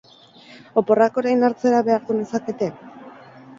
Oporrak orain hartzera behartu nazakete?